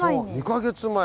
２か月前！